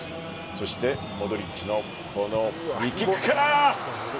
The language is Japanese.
そして、モドリッチのこのフリーキックから。